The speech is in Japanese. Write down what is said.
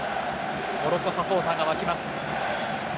モロッコサポーターが沸きます。